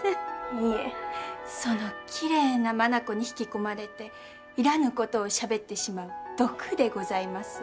いえそのきれいな眼に引き込まれていらぬことをしゃべってしまう毒でございます。